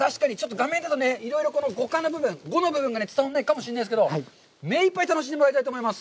画面だと五感の部分、五の部分が伝わらないかもしれませんけど、目いっぱい楽しんでいただきたいと思います。